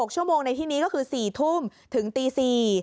๖ชั่วโมงในที่นี้ก็คือ๔ทุ่มถึงตี๔